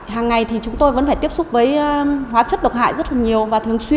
hàng ngày thì chúng tôi vẫn phải tiếp xúc với hóa chất độc hại rất là nhiều